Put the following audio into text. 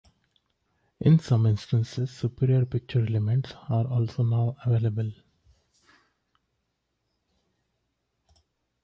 In some instances superior picture elements are also now available.